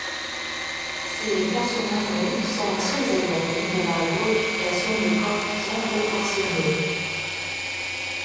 Ses personnages ronds sont très éloignés de la glorification des corps bien proportionnés.